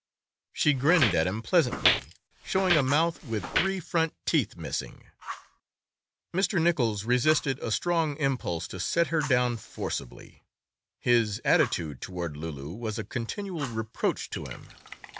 she grinned at him pleasantly, showing a mouth with three front teeth missing. Mr. Nichols resisted a strong impulse to set her down forcibly. His attitude toward Loulou was a continual reproach to him.